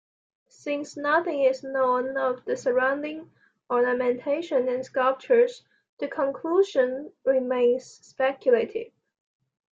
Since nothing is known of the surrounding ornamentation and sculptures, the conclusion remains speculative.